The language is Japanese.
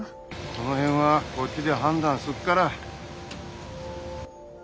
その辺はこっちで判断すっから。